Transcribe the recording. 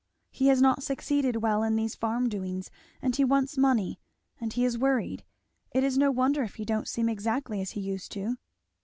He has not succeeded well in these farm doings, and he wants money, and he is worried it is no wonder if he don't seem exactly as he used to."